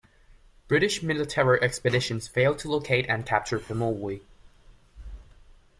British military expeditions failed to locate and capture Pemulwuy.